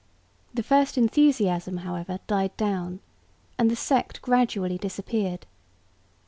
The first enthusiasm however died down, and the sect gradually disappeared.